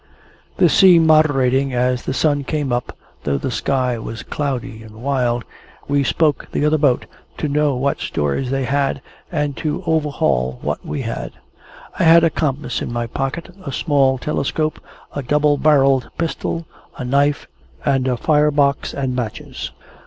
The sea moderating as the sun came up, though the sky was cloudy and wild, we spoke the other boat, to know what stores they had, and to overhaul what we had. I had a compass in my pocket, a small telescope, a double barrelled pistol, a knife, and a fire box and matches.